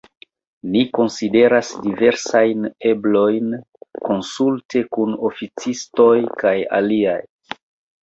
Ni konsideras diversajn eblojn konsulte kun oficistoj kaj aliaj.